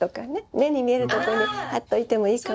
目に見えるところにはっておいてもいいかも。